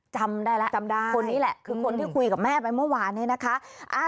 จำได้แล้วจำได้คนนี้แหละคือคนที่คุยกับแม่ไปเมื่อวานนี้นะคะ